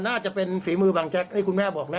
น่าจะเป็นฝีมือบังแจ็คคุณแม่บอกนะ